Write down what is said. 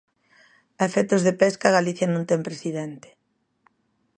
A efectos de pesca, Galicia non ten presidente.